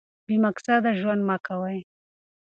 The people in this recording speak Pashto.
بې مقصده ژوند مه کوئ.